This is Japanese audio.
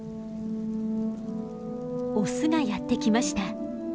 オスがやって来ました。